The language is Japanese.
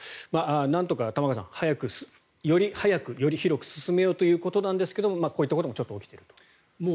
なんとか玉川さんより早くより広く進めようということなんですがこういったこともちょっと起きているという。